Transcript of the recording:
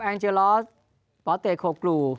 อังเจลอสป๊อตเตศโคกรู